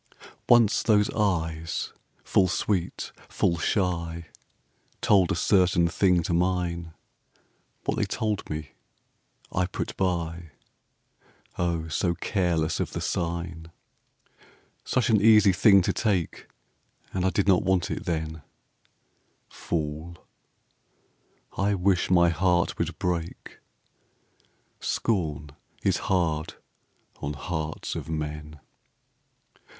Once those eyes, full sweet, full shy, Told a certain thing to mine; What they told me I put by, O, so careless of the sign. Such an easy thing to take, And I did not want it then; Fool! I wish my heart would break, Scorn is hard on hearts of men.